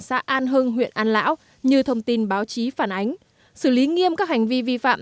xã an hưng huyện an lão như thông tin báo chí phản ánh xử lý nghiêm các hành vi vi phạm